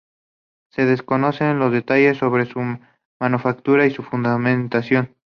Se desconocen los detalles sobre su manufactura y su funcionamiento.